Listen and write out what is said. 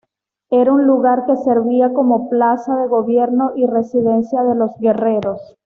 Era un lugar que servía como plaza de gobierno y residencia de los guerreros.